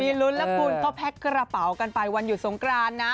มีลุ้นแล้วคุณเขาแพ็คกระเป๋ากันไปวันหยุดสงกรานนะ